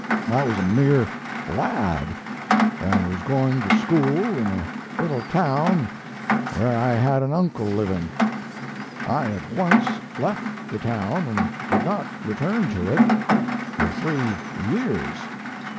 I was a mere lad, and was going to school in a little town where I had an uncle living. I at once left the town and did not return to it for three years.